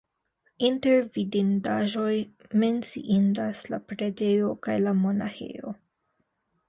Inter vidindaĵoj menciindas la preĝejo kaj la monaĥejo.